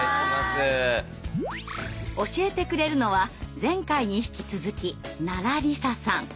教えてくれるのは前回に引き続き奈良里紗さん。